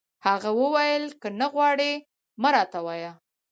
هغه وویل: که نه غواړي، مه راته وایه.